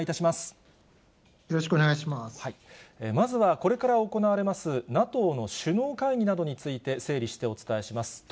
まずはこれから行われます、ＮＡＴＯの首脳会議などについて、整理してお伝えします。